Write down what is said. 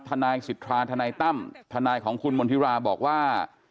ทนายสิทธาทนายตั้มทนายของคุณมณฑิราบอกว่า